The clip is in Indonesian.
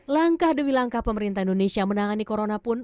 langkah demi langkah pemerintah indonesia menangani corona pun